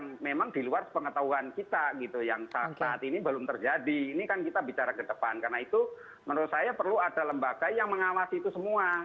nah memang di luar pengetahuan kita gitu yang saat ini belum terjadi ini kan kita bicara ke depan karena itu menurut saya perlu ada lembaga yang mengawasi itu semua